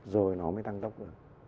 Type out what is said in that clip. rồi nó mới tăng tốc được